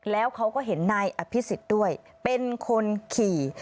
แล้วเขาก็เห็นนายอภิษฎด้วยเป็นคนขี่